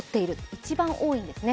一番多いんですね。